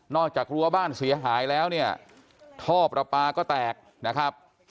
กรั้วบ้านเสียหายแล้วเนี่ยท่อประปาก็แตกนะครับ